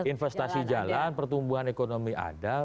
investasi jalan pertumbuhan ekonomi ada